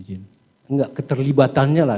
enggak keterlibatannya lah